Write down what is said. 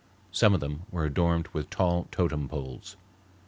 Some of them were adorned with tall totem poles.